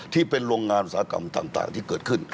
ที่เป็นโรงงานอุตสาหกรรมต่างที่เกิดขึ้น